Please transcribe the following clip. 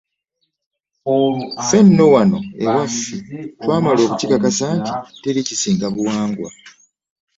Ffe nno wano ewaffe twamala okukikakasa nti teri kisinga buwangwa.